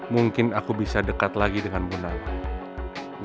mungkin aku bisa dekat lagi dengan munawa